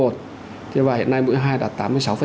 thế và hiện nay mũi hai đạt tám mươi sáu